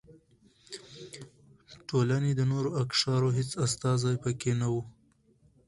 ټولنې د نورو اقشارو هېڅ استازي پکې نه و.